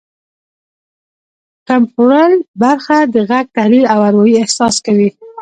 ټمپورل برخه د غږ تحلیل او اروايي احساس کوي